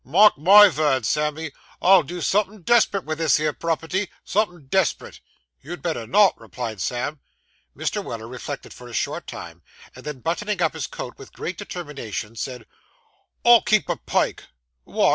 'Mark my vords, Sammy, I'll do somethin' desperate vith this here property; somethin' desperate!' 'You'd better not,' replied Sam. Mr. Weller reflected for a short time, and then, buttoning up his coat with great determination, said 'I'll keep a pike.' 'Wot!